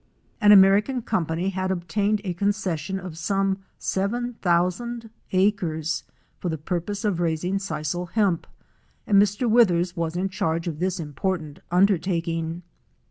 An American company had obtained a concession of some seven thousand acres for the purpose of raising sisel hemp, and Mr. Withers was in charge of this important under taking.